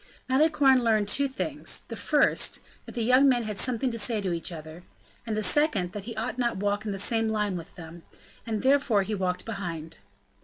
Malicorne learned two things; the first, that the young men had something to say to each other; and the second, that he ought not to walk in the same line with them; and therefore he walked behind.